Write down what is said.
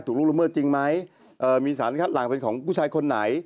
ลูกละเมิดจริงไหมมีสารคัดหลังเป็นของผู้ชายคนไหน